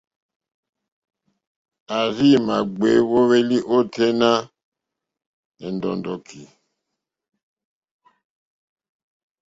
A rziima gbèe wo hwelì o tenì nà è ndɔ̀ndɔ̀ki.